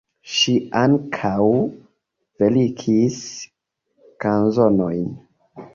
Ŝi ankaŭ verkis kanzonojn.